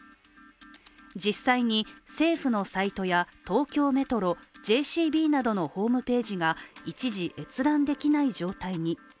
実際に政府のサイトや東京メトロＪＣＢなどのホームページが一時、閲覧できない状態に。